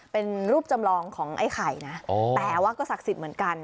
เป็นรูปจำลองของไอ้ไข่นะแต่ว่าก็ศักดิ์สิทธิ์เหมือนกัน